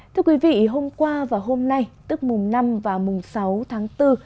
thưa quý vị hôm qua và hôm nay tức mùng năm và mùng sáu tháng bốn